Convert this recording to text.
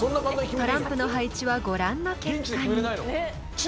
［トランプの配置はご覧の結果に］